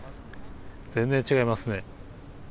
全然違いますね。